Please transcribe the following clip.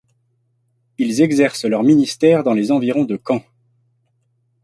Ils exercent leur ministère dans les environs de Caen.